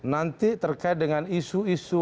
nanti terkait dengan isu isu